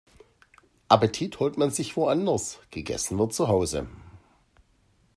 Appetit holt man sich woanders, gegessen wird zuhause.